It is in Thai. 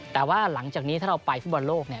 แต่ว่าหลังจากนี้ถ้าเราไปฟุตบอลโลก